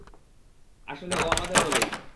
আসলে, ও আমাদের দলেই।